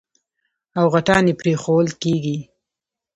او غټان يې پرېښوول کېږي.